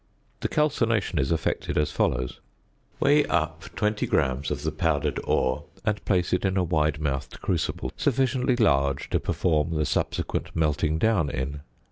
The calcination is effected as follows: Weigh up 20 grams of the powdered ore and place it in a wide mouthed crucible sufficiently large to perform the subsequent melting down in.